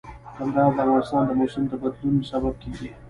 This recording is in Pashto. کندهار د افغانستان د موسم د بدلون سبب کېږي.